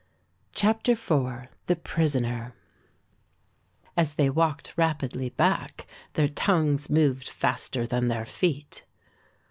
CHAPTER IV THE PRISONER As they walked rapidly back, their tongues moved faster than their feet.